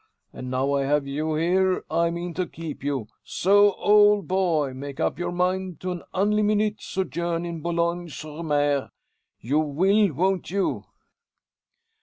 And now I have you here I mean to keep you. So, old boy, make up your mind to an unlimited sojourn in Boulogne sur mer. You will, won't you?"